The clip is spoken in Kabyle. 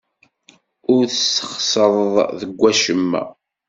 Ur tesxeṣrem deg wacemma.